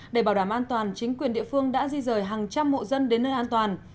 để bảo đảm an toàn chính quyền địa phương đã di rời hàng trăm hộ dân đến nơi an toàn